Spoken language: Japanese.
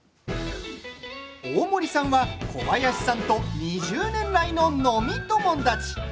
大森さんは小林さんと２０年来の飲み友達。